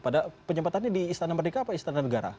pada penyempatannya di istana merdeka apa istana negara